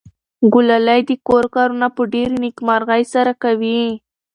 ګلالۍ د کور کارونه په ډېرې نېکمرغۍ سره کوي.